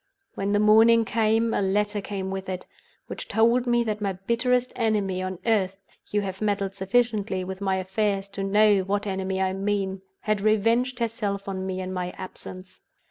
When the morning came, a letter came with it, which told me that my bitterest enemy on earth (you have meddled sufficiently with my affairs to know what enemy I mean) had revenged herself on me in my absence.